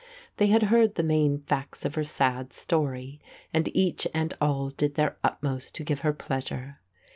They had heard the main facts of her sad story and each and all did their utmost to give her pleasure.